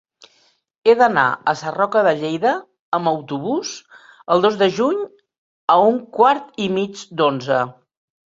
He d'anar a Sarroca de Lleida amb autobús el dos de juny a un quart i mig d'onze.